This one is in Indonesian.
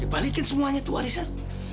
balikin semuanya itu warisan